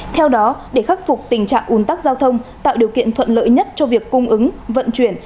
theo đó để khắc phục tình trạng ủn tắc giao thông tạo điều kiện thuận lợi nhất cho việc cung ứng vận chuyển